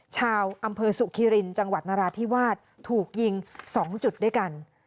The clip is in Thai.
ชาวอำเภอสุขิรินจังหวัดนราธิวาสถูกยิง๒จุดด้วยกัน